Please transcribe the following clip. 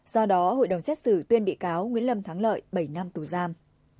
do đó hội đồng xét xử tuyên bị cáo nguyễn lâm thắng lợi bảy năm tù giam